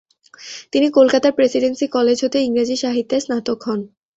তিনি কলকাতার Presidency College হতে ইংরাজী সাহিত্যের স্নাতক হন।